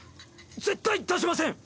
絶対出しません！